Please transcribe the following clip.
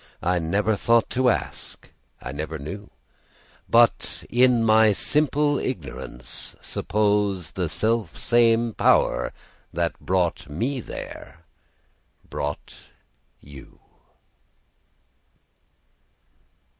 I never thought to ask, I never knew:But, in my simple ignorance, supposeThe self same Power that brought me there brought you.